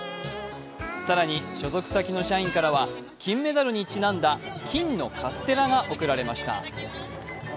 更に、所属先の社員からは金メダルにちなんだ金のカステラが贈られました。